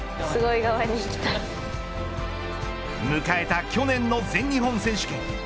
迎えた去年の全日本選手権。